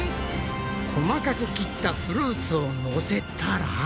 細かく切ったフルーツをのせたら。